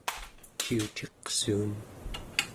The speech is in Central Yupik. ciuciqsuun